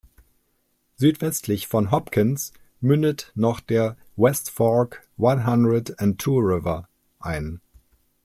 Südwestlich von Hopkins mündet noch der "West Fork One Hundred and Two River" ein.